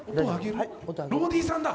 ローディーさんだ。